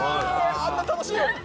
あんな楽しいのに。